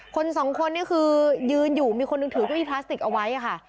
คนสองคนนี่คือยืนอยู่มีคนหนึ่งถือเก้าอี้พลาสติกเอาไว้ค่ะ